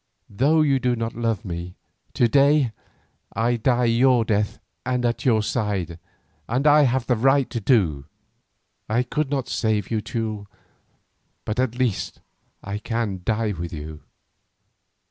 Though you do not love me, to day I die your death and at your side, as I have the right to do. I could not save you, Teule, but at least I can die with you."